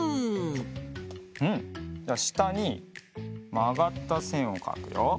うんじゃあしたにまがったせんをかくよ。